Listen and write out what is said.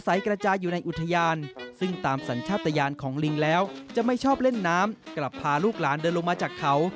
ซึ่งที่อุทยานหิงเขางูแห่งนี้เป็นอีกหนึ่งแหล่งท่องเที่ยวของจังหวัด